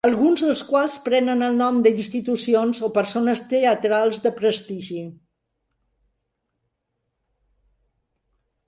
Alguns dels quals prenen el nom de institucions o persones teatrals de prestigi.